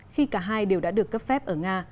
khi cả hai đều đã được cấp phép ở nga